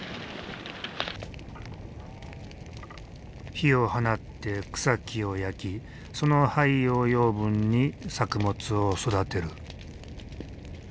火を放って草木を焼きその灰を養分に作物を育てる。